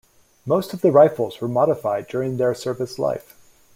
Most of the rifles were modified during their service life.